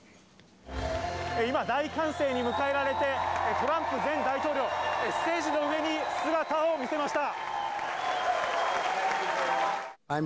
今、大歓声に迎えられて、トランプ前大統領、ステージの上に姿を見せました。